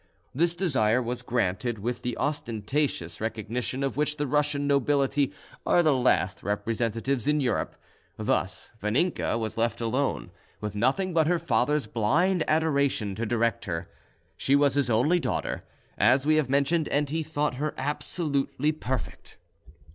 This desire was granted with the ostentatious recognition of which the Russian nobility are the last representatives in Europe. Thus Vaninka was left alone, with nothing but her father's blind adoration to direct her. She was his only daughter, as we have mentioned, and he thought her absolutely perfect.